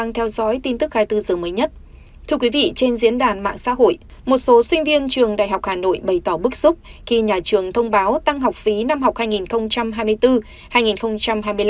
thưa quý vị trên diễn đàn mạng xã hội một số sinh viên trường đại học hà nội bày tỏ bức xúc khi nhà trường thông báo tăng học phí năm học hai nghìn hai mươi bốn hai nghìn hai mươi năm